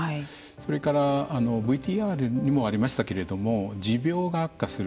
それからＶＴＲにもありましたけれども持病が悪化する。